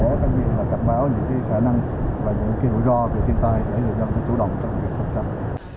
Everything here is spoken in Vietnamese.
để cạnh báo những cái khả năng và những cái rủi ro về thiên tai để người dân có chủ động trong việc phục trạng